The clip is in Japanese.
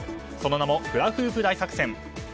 その名もフラフープ大作戦。